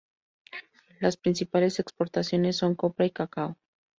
Las principales exportaciones son copra y cacao.